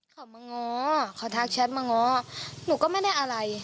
เขามาง้อเขาทักแชทมาง้อหนูก็ไม่ได้อะไร